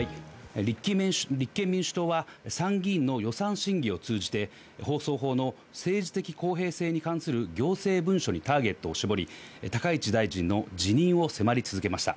立憲民主党は参議院の予算審議を通じて、放送法の政治的公平性に関する行政文書にターゲットを絞り、高市大臣の辞任を迫り続けました。